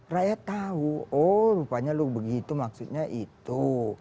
rakyat tahu oh rupanya lu begitu maksudnya itu